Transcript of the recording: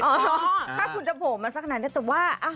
ถ้าคุณจะโผล่มาสักขนาดนี้แต่ว่า